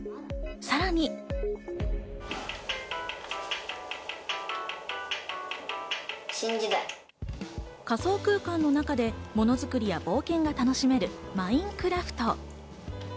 さらに。仮想空間の中でものづくりや冒険が楽しめる『マインクラフト』。